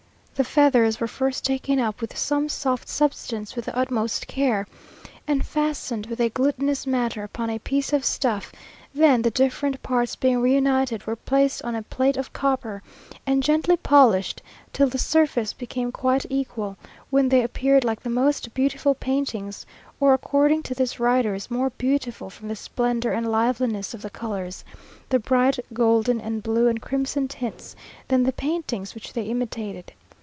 The feathers were first taken up with some soft substance with the utmost care, and fastened with a glutinous matter upon a piece of stuff; then, the different parts being reunited, were placed on a plate of copper, and gently polished, till the surface became quite equal, when they appeared like the most beautiful paintings, or, according to these writers, more beautiful from the splendour and liveliness of the colours, the bright golden, and blue, and crimson tints, than the paintings which they imitated.